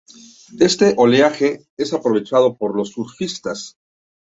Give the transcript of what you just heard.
Este oleaje es aprovechado por los surfistas.